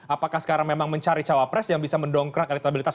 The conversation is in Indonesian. apakah sekarang memang mencari cawapres yang bisa mendongkrak elektabilitas